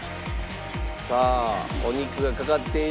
さあお肉がかかっている。